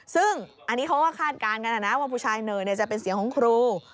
ซึ่งอันนี้เขาก็คาดการณ์กันนะว่าผู้ชายเนอจะเป็นเสียงของครู